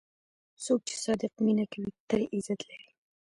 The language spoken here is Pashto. څوک چې صادق مینه کوي، تل عزت لري.